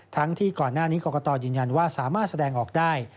ทั้งที่ก่อนหน้านี้กรกตยืนยันว่าสามารถแสดงออกได้